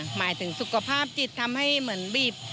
หมายถึงสุขภาพจิตทำให้เหมือนบีบ